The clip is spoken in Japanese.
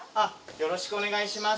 よろしくお願いします。